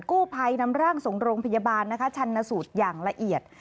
กู้ภัยนำร่างส่งโรงพยาบาลนะคะชันสูตรอย่างละเอียด